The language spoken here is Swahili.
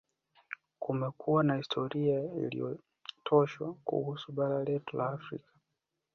Kumekuwa na historia iliyopotoshwa kuhusu bara letu la Afrika